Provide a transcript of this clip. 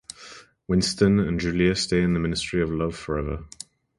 Winston and Julia stay in the Ministry of Love forever.